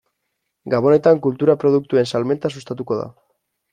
Gabonetan kultura produktuen salmenta sustatuko da.